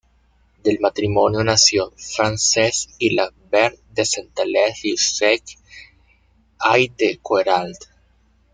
Del matrimonio nació Francesc Gilabert de Centelles Riu-sec i de Queralt.